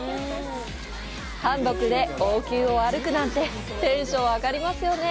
韓服で王宮を歩くなんて、テンション上がりますよね！